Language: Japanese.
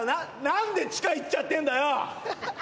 何で地下行っちゃってんだよ